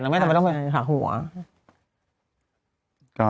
ทำไมต้องหักหัว